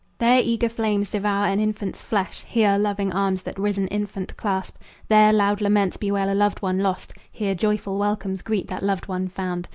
There eager flames devour an infant's flesh; Here loving arms that risen infant clasp; There loud laments bewail a loved one lost; Here joyful welcomes greet that loved one found.